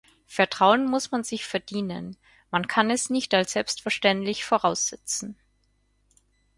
Vertrauen muss man sich verdienen, man kann es nicht als selbstverständlich voraussetzen.